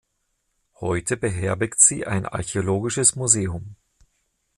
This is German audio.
Heute beherbergt sie ein archäologisches Museum.